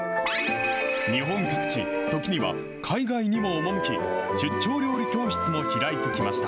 日本各地、時には海外にも赴き、出張料理教室も開いてきました。